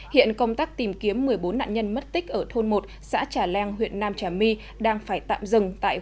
hiện công tác tìm kiếm một mươi bốn nạn nhân mất tích ở thôn một xã trà leng huyện nam trà my đang phải tạm dừng